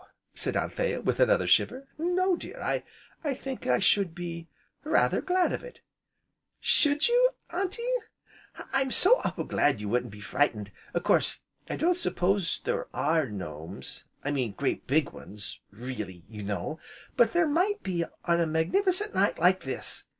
said Anthea, with another shiver, "No, dear, I think I should be rather glad of it!" "Should you, Auntie? I'm so awful glad you wouldn't be frightened. A course, I don't s'pose there are gnomes I mean great, big ones, really, you know, but there might be, on a magnif'cent night, like this.